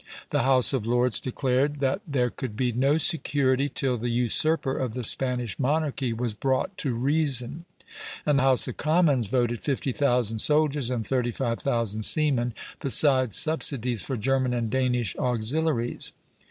The House of Lords declared that "there could be no security till the usurper of the Spanish monarchy was brought to reason;" and the House of Commons voted fifty thousand soldiers and thirty five thousand seamen, besides subsidies for German and Danish auxiliaries.